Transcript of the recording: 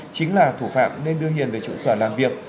chính là thủ phạm nên đưa hiền về trụ sở làm việc